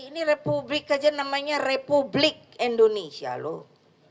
ini republik aja namanya republik indonesia loh